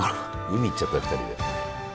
海行っちゃったよ２人で。